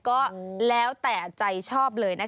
ก็แล้วแต่ใจชอบเลยนะคะ